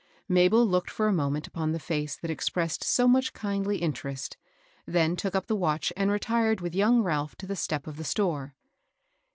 Mabel looked for a moment upon the face that expressed so much kindly interest, then took up the watch and retired with young Ralph to the step of the store.